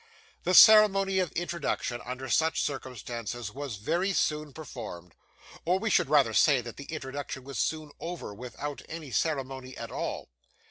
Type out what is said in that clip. The ceremony of introduction, under such circumstances, was very soon performed, or we should rather say that the introduction was soon over, without any ceremony at all.